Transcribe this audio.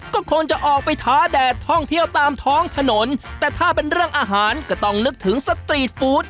ก็คงจะออกไปท้าแดดท่องเที่ยวตามท้องถนนแต่ถ้าเป็นเรื่องอาหารก็ต้องนึกถึงสตรีทฟู้ด